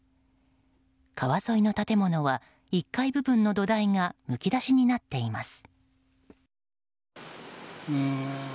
川沿いの建物は、１階部分の土台がむき出しになっています。